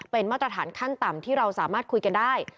เป็นมาตรฐานขั้นต่ำที่เราสามารถคุยกันได้